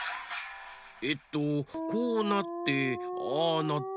えっとこうなってああなって。